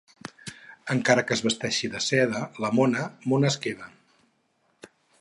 Encara que es vesteixi de seda, la mona, mona es queda.